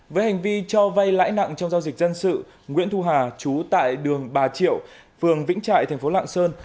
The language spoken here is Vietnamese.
với hành vi cho vay lãi nặng trong giao dịch dân sự nguyễn thu hà trú tại đường bà triệu phường vĩnh trại tp lạng sơn